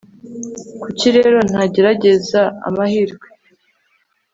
kuki rero ntagerageza amahirwe